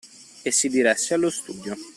E si diresse allo studio.